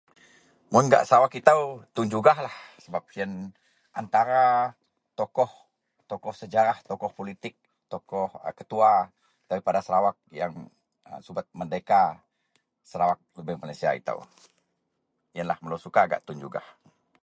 Mun gak Sarawak itou Tun Jugahlah sebab siyen antara tokoh-tokoh sejarah, tokoh politik, tokoh a ketua daripada Sarawak yen subet merdeka Sarawak lubeang Malaysia itou. Yenlah melou suka gak Tun Jugah.